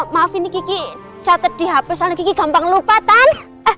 maaf ini kiki catet di hp soalnya kiki gampang lupa tan